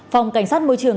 phòng cảnh sát môi trường